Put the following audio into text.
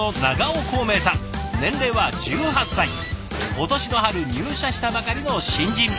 今年の春入社したばかりの新人。